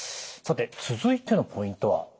さて続いてのポイントは？